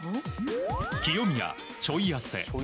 清宮、ちょい痩せ。